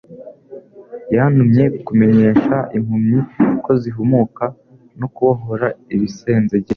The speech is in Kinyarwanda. Yantumye kumenyesha impumyi ko zihumuka, no kubohora ibisenzegeri,